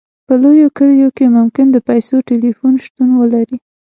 په لویو کلیو کې ممکن د پیسو ټیلیفون شتون ولري